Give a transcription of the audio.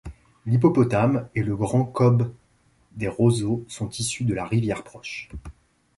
L'hippopotame et le grand cobe des roseaux sont issus de la rivière proche.